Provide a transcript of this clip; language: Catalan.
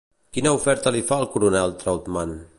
Quina oferta li fa el coronel Trautman?